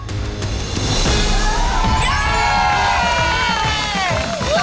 เย้